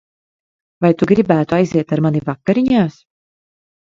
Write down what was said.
Vai tu gribētu aiziet ar mani vakariņās?